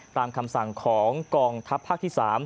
ตามคำสั่งของกองทัพภาคที่๓